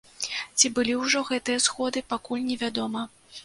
Ці былі ўжо гэтыя сходы, пакуль невядома.